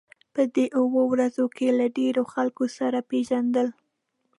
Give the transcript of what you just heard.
په دې اوو ورځو کې له ډېرو خلکو سره پېژندل.